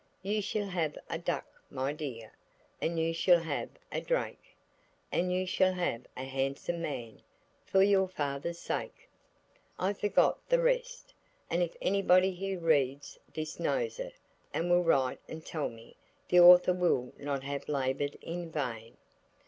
You shall have a duck, my dear, And you shall have a drake, And you shall have a handsome man For your father's sake." I forget the rest, and if anybody who reads this knows it, and will write and tell me, the author will not have laboured in vain.